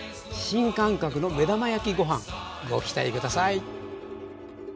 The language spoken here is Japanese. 新感覚の目玉焼きご飯ご期待下さい！